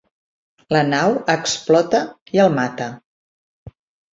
La nau explota i el mata.